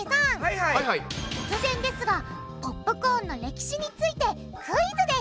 突然ですがポップコーンの歴史についてクイズです！